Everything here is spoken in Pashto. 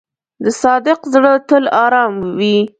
د صادق زړه تل آرام وي.